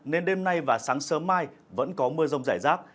nên đêm nay và sáng sớm mai vẫn có mưa rông rải rác